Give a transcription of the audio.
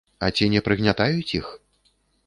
А ці не прыгнятаюць іх?